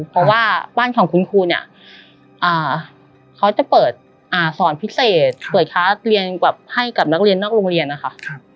เพราะว่าบ้านของคุณครูเนี่ยเขาจะเปิดสอนพิเศษเปิดค้าเรียนแบบให้กับนักเรียนนอกโรงเรียนนะคะ